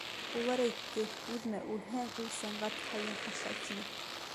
Улар әйтте, түҙмә, үлһәң үл, сәғәт һайын аша, тине.